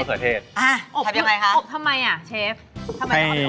มะเขือเทศอ่ะทำยังไงคะอบทำไมอะเชฟ